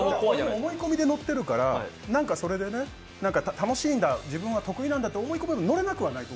思い込みで乗ってるから、何かそれで楽しいんだ、自分は得意なんだと思い込めば乗れなくもない。